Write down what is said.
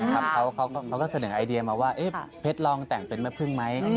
เขาก็เสนอไอเดียมาว่าเพชรลองแต่งเป็นแม่พึ่งไหม